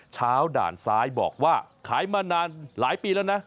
ด่านซ้ายบอกว่าขายมานานหลายปีแล้วนะ